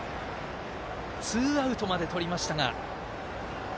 ツーアウトまでとりましたが。